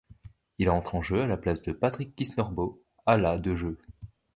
Il entre en jeu à la place de Patrick Kisnorbo à la de jeu.